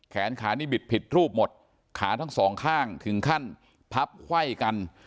แขนขานี่บิดผิดรูปหมดขาทั้งสองข้างถึงขั้นพับไขว้กัน